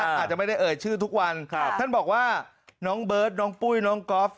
อาจจะไม่ได้เอ่ยชื่อทุกวันท่านบอกว่าน้องเบิร์ตน้องปุ้ยน้องก๊อฟ